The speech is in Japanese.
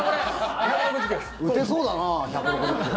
打てそうだなあ１６０ｋｍ。